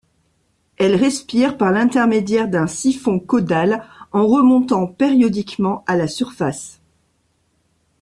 Elle respire par l'intermédiaire d'un siphon caudal en remontant périodiquement à la surface.